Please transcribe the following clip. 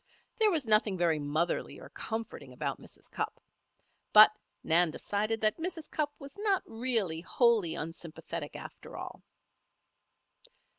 There was nothing very motherly or comforting about Mrs. Cupp. But Nan decided that Mrs. Cupp was not really wholly unsympathetic after all.